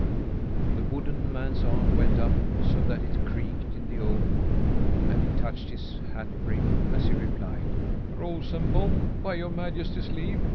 The wooden man's arm went up, so that it creaked in the old woodwork, and he touched his hat brim as he replied: "Rosenbom, by Your Majesty's leave.